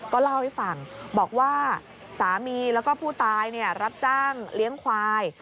ก็เล่าให้ฟังบอกว่าสามีแล้วก็ผู้ตายรับจ้างเลี้ยงควาย